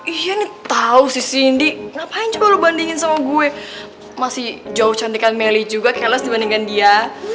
iya nih tau sih cindy ngapain coba lo bandingin sama gue masih jauh cantik kan melly juga keles dibandingin dia